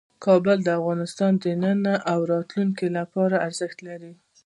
کابل په افغانستان کې د نن او راتلونکي لپاره ارزښت لري.